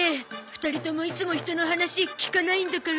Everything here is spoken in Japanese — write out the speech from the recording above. ２人ともいつも人の話聞かないんだから。